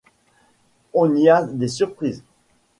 On y a des surprises.